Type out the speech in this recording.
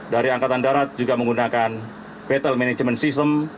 dari angkatan darat juga menggunakan battle management system